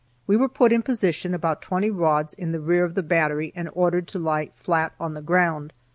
We were put in position about twenty rods in the rear of the battery, and ordered to lie flat on the ground.